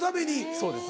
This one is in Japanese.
そうですね